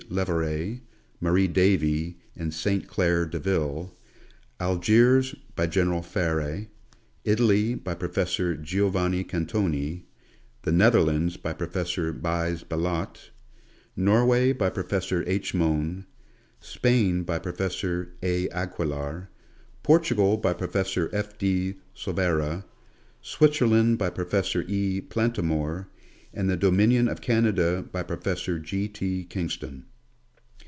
Leverrier, Marie Davy, and St. Claire Deville ; Algiers by General Farre ; Italy by Professor Giovanni Cantoni ; the Netherlands by Professor Buys Ballot ; Norway by Professor H. Mohn ; Spain by Professor A. Aquilar ; Portugal by Professor F. de Silveira ; Switzerland by Professor E. Plantamour ; and the dominion of Canada by Professor G. T. Kingston.